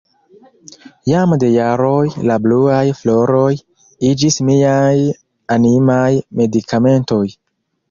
Jam de jaroj la bluaj floroj iĝis miaj animaj medikamentoj.